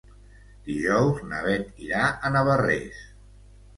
Dijous na Beth irà a Navarrés.